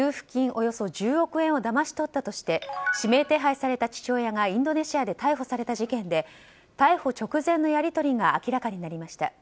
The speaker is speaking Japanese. およそ１０億円をだまし取ったとして指名手配された父親がインドネシアで逮捕された事件で逮捕直前のやり取りが明らかになりました。